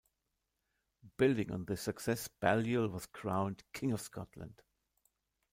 Building on this success Balliol was crowned King of Scotland.